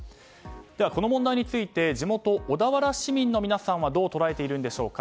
この問題について地元・小田原市民の皆さんはどう捉えているんでしょうか。